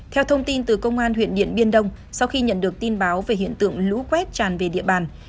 theo thông tin từ công an huyện điện biên đông sau khi nhận được tin báo về hiện tượng lũ quét tràn về địa bàn